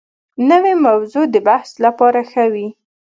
نوې موضوع د بحث لپاره ښه وي